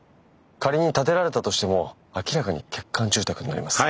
仮に建てられたとしても明らかに欠陥住宅になります。